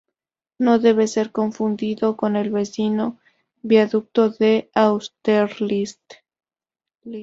No debe ser confundido con el vecino viaducto de Austerlitz.